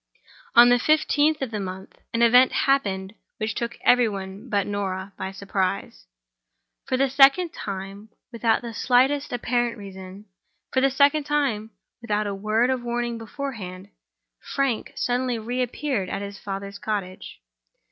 On the fifteenth of the month, an event happened which took every one but Norah by surprise. For the second time, without the slightest apparent reason—for the second time, without a word of warning beforehand—Frank suddenly re appeared at his father's cottage.